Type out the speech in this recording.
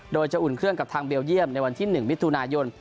โดยจะอุ่นเครื่องกับทางเบลเยี่ยมในวันที่๑มิถุนายน